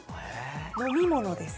飲み物です。